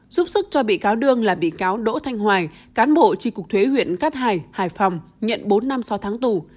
giúp sức cho bị cáo đương là bị cáo đỗ thanh hoài cán bộ tri cục thuế huyện cát hải hải phòng nhận bốn năm sáu tháng tù